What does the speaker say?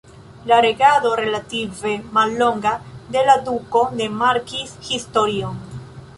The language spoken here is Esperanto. La regado relative mallonga de la duko ne markis historion.